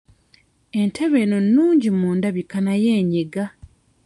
Entebe eno nnungi mu ndabika naye enyiga.